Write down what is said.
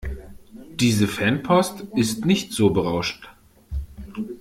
Diese Fanpost ist nicht so berauschend.